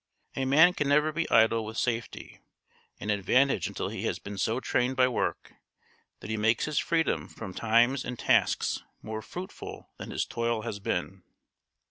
A man can never be idle with safety and advantage until he has been so trained by work that he makes his freedom from times and tasks more fruitful than his toil has been.